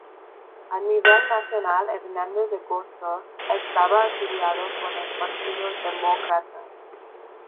A nivel nacional, Hernández Agosto estaba afiliado con el Partido Demócrata.